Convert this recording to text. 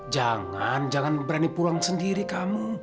jangan jangan berani pulang sendiri kamu